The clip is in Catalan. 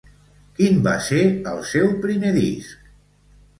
Quin va ser el seu primer disc?